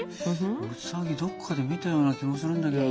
ウサギどっかで見たような気もするんだけどな。